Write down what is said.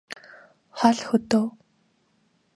хол хөдөө